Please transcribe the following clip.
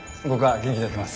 元気でやってる？」